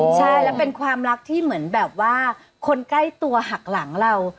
ใช่แล้วเป็นความรักที่เหมือนแบบว่าคนใกล้ตัวหักหลังเรา